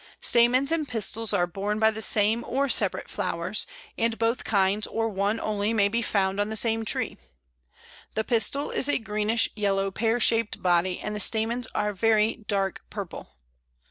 Stamens and pistils are borne by the same or separate flowers, and both kinds or one only may be found on the same tree. The pistil is a greenish yellow pear shaped body, and the stamens are very dark purple.